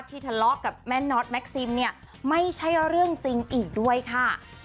ทะเลาะกับแม่น็อตแม็กซิมเนี่ยไม่ใช่เรื่องจริงอีกด้วยค่ะ